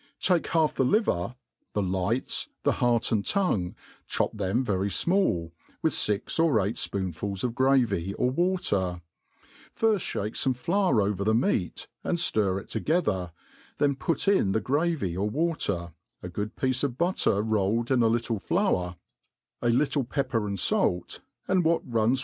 Take half the liver, the lights, the beart and tongue, chop them very fmall, with fix or eight ipoonfuls of gravy or water; firft fhake feme flour over the meat, and ftir ic together, then put in the gravy or water, a ^ood piece pf butter rolled in a little flour, a little pepper and fait. ft« THE ART OF COOKERY /alt, and what .runs